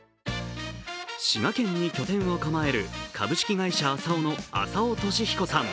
滋賀県に拠点を構える株式会社浅尾の浅尾年彦さん。